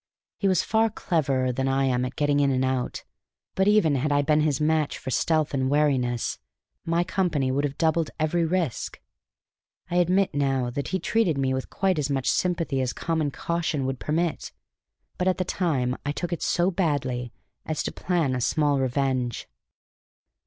He was far cleverer than I at getting in and out; but even had I been his match for stealth and wariness, my company would have doubled every risk. I admit now that he treated me with quite as much sympathy as common caution would permit. But at the time I took it so badly as to plan a small revenge.